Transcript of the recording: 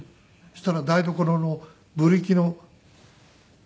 そしたら台所のブリキの隙間の所に。